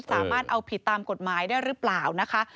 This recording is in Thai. สามารถเอาผิดตามกฎหมายได้หรือเปล่านะคะ